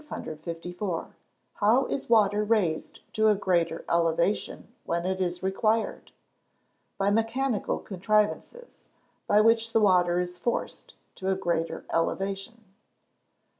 654. How is water raised to a greater elevation when it is required? By mechanical contrivances, by which the water is forced to a greater elevation.